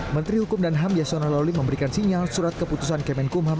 menteri hukum dan ham yasona lawli memberikan sinyal surat keputusan kemenkumham